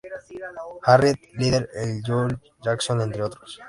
Harriet Dyer, Joel Jackson, entre otros...